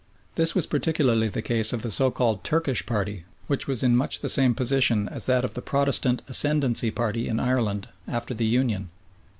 This was particularly the case of the so called "Turkish" party, which was in much the same position as that of the Protestant Ascendancy party in Ireland after the Union.